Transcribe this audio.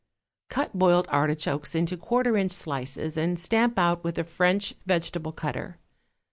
Cut boiled artichokes into quarter inch slices and stamp out with a French vegetable cutter.